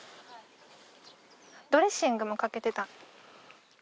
ドレッシングもかけてた。